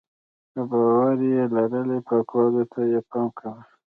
که باور یې لرلی پاکوالي ته یې پام کاوه.